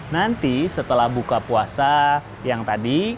nanti setelah buka puasa yang tadi